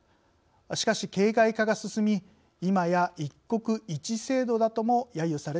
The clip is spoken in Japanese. しかし形骸化が進みいまや「一国一制度」だともやゆされています。